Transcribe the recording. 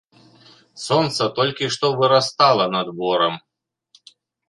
Сонца толькі што вырастала над борам.